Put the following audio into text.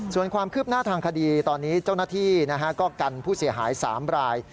ส่วนความคืบหน้าทางคดีตอนนี้เจ้าหน้าที่ก็กันผู้เสียหาย๓ราย